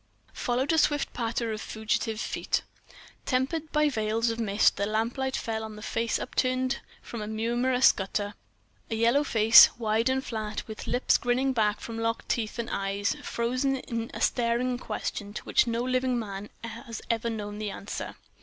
Followed a swift patter of fugitive feet. Tempered by veils of mist, the lamplight fell upon a face upturned from a murmurous gutter, a yellow face, wide and flat, with lips grinning back from locked teeth and eyes frozen in a staring question to which no living man has ever known the answer.